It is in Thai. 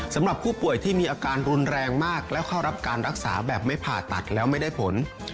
สำหรับผู้ป่วยที่มีอาการรุนแรงมากแล้วเข้ารับการรักษาแบบไม่ผ่าตัดแล้วไม่ได้ผล